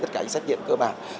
tất cả những xét nghiệm cơ bản